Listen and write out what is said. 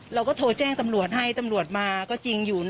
เราก็โทรแจ้งตำรวจให้ตำรวจมาก็จริงอยู่